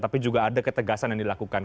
tapi juga ada ketegasan yang dilakukan